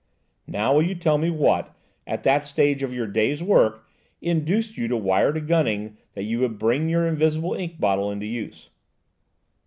Now, will you tell me, what, at that stage of your day's work, induced you to wire to Gunning that you would bring your invisible ink bottle into use?"